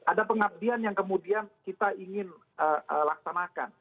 ada pengabdian yang kemudian kita ingin laksanakan